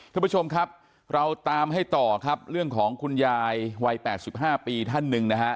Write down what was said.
ท่านผู้ชมครับเราตามให้ต่อครับเรื่องของคุณยายวัยแผกสิบห้าปีท่านนึงนะฮะ